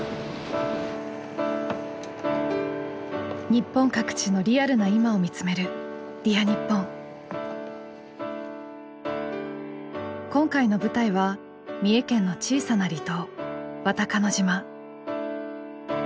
日本各地のリアルな今を見つめる今回の舞台は三重県の小さな離島渡鹿野島。